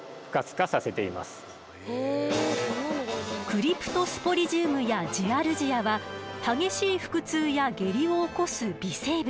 クリプトスポリジウムやジアルジアは激しい腹痛や下痢を起こす微生物。